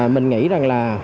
mình nghĩ rằng là